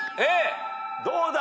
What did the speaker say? どうだ！？